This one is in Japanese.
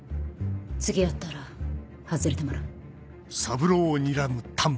次やったら外れてもらう。